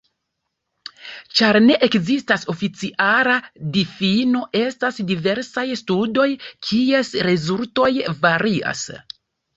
Ĉar ne ekzistas oficiala difino, estas diversaj studoj kies rezultoj varias.